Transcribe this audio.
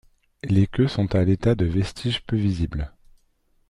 Les queues sont à l'état de vestiges peu visibles.